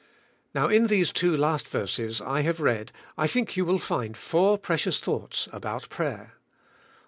Now in these two last verses I have read I think you will find four precious thoughts about prayer.